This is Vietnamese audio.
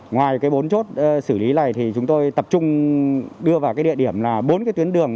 ngoài cái bốn chốt xử lý này thì chúng tôi tập trung đưa vào cái địa điểm là bốn cái tuyến đường